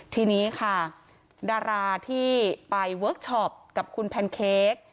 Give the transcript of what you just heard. ทีนี้ค่ะดาราที่ไปเวิร์คชอปกับคุณแพนเค้ก